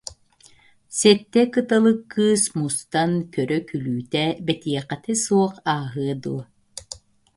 Сэттэ кыталык кыыс мустан көрө-күлүүтэ, бэтиэхэтэ суох ааһыа дуо